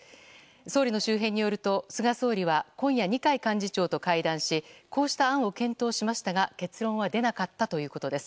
総理の周辺によると菅総理は今夜、二階幹事長と会談しこうした案を検討しましたが結論は出なかったということです。